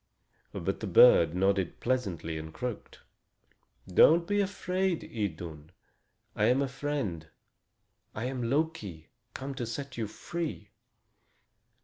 But the bird nodded pleasantly and croaked: "Don't be afraid, Idun. I am a friend. I am Loki, come to set you free."